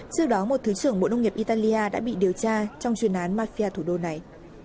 trước đó một thứ trưởng bộ nông nghiệp italia đã bị điều tra trong chuyên án mafia thủ đô này